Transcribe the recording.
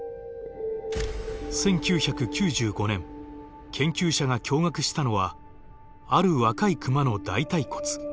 １９９５年研究者が驚がくしたのはある若いクマの大たい骨。